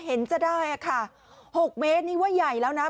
เห็นจะได้ค่ะ๖เมตรนี่ว่าใหญ่แล้วนะ